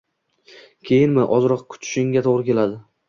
Keyinmi, ozroq kutishingga to`g`ri keladi